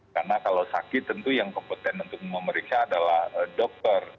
karena kalau sakit tentu yang kompeten untuk memeriksa adalah dokter